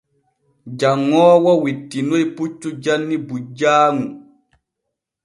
Janŋoowo wittinoy puccu janni bujjaaŋu.